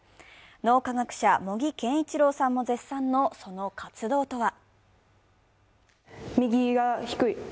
脳科学者、茂木健一郎さんも絶賛のその活動とは？